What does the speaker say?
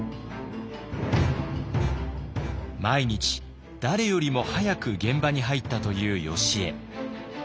毎日誰よりも早く現場に入ったというよしえ。